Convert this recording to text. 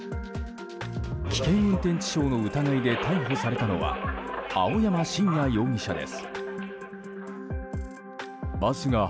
危険運転致傷の疑いで逮捕されたのは青山真也容疑者です。